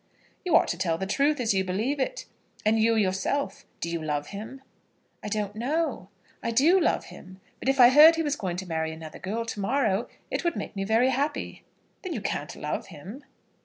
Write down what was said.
"You ought to tell the truth, as you believe it. And you yourself, do you love him?" "I don't know. I do love him; but if I heard he was going to marry another girl to morrow it would make me very happy." "Then you can't love him?"